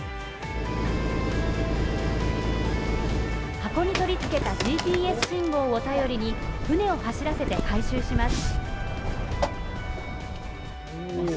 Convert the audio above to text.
箱に取りつけたＧＰＳ信号を頼りに船を走らせて回収します。